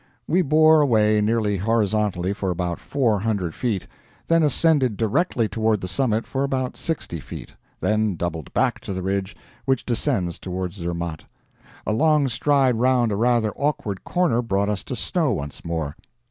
We bore away nearly horizontally for about four hundred feet, then ascended directly toward the summit for about sixty feet, then doubled back to the ridge which descends toward Zermatt. A long stride round a rather awkward corner brought us to snow once more.